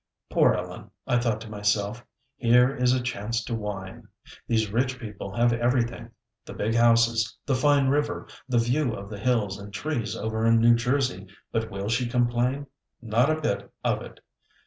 Poor Ellen, I thought to myself, here is a chance to whine. These rich people have everything the big houses, the fine river, the view of the hills and trees over in New Jersey, but will she complain? Not a bit of it.